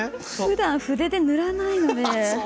ふだん筆で塗らないので。